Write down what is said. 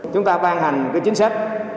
chúng ta ban hành cái chính sách